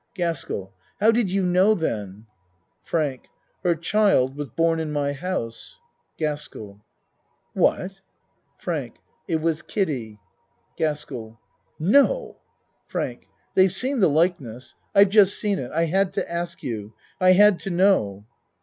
GASKELL How did you know then? FRANK Her child was born in my house. GASKELL What ? FRANK It was Kiddie! GASKELL No ! FRANK They've seen the likeness I've just seen it. I had to ask you. I had to know.